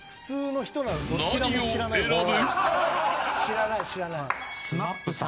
何を選ぶ。